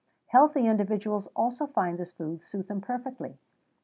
[XVII 19] Healthy individuals also find this food suit them perfectly.